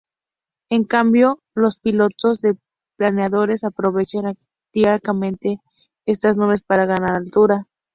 En cambio los pilotos de planeadores aprovechan activamente estas nubes para ganar altura.